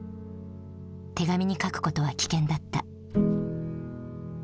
手紙に書くことは危険だった。